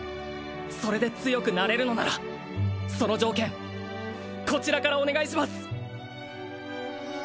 それで強くなれるのならその条件こちらからお願いします！